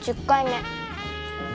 １０回目。